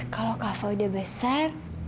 kalau kava udah besar